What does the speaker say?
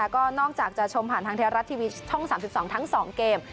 ก็นอกจากจะชมผ่านทางไทยรัฐทีวีช่อง๓๒ทั้ง๒เกม